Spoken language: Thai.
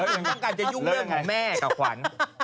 ถึงต้องการจะยุ่งเรื่องของแม่กับขวัญ